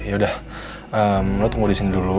yaudah lo tunggu disini dulu